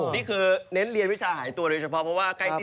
นี่คือเน้นเรียนวิชาหายตัวด้วยเฉพาะว่าใกล้สี